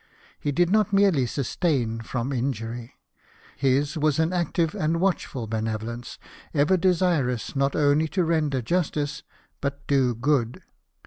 He did not merely abstain from injury ; hi^ 272 LIFE OF NELSON. was an active and watchful benevolence, ever desirous not only to render justice, but to do good.